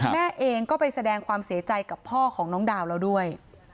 แม่เองก็ไปแสดงความเสียใจกับพ่อของน้องดาวแล้วด้วย